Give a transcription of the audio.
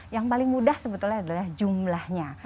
yang paling mudah sebetulnya adalah jumlahnya